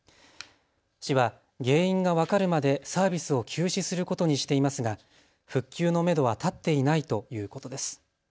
市は原因が分かるまでサービスを休止することにしていますが復旧のめどは立っていないということです。